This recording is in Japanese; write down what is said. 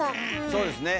そうですね。